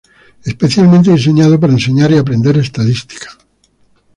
Especialmente diseñado para enseñar y aprender estadística.